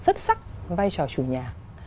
xuất sắc vai trò chủ nhà